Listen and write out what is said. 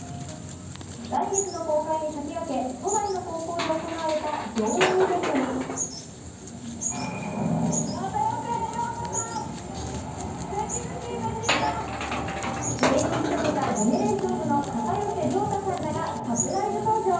来月の公開に先駆け都内の高校で行われた上映イベントに主演を務めたＧＥＮＥＲＡＴＩＯＮＳの片寄涼太さんらがサプライズ登場。